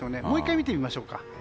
もう１回見てみましょう。